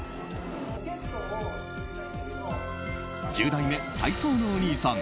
１０代目体操のお兄さん